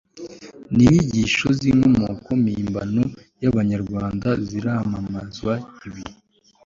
n inyigisho z inkomoko mpimbano y Abanyarwanda ziramamazwa Ibi